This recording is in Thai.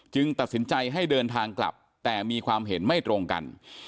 ตัดสินใจให้เดินทางกลับแต่มีความเห็นไม่ตรงกัน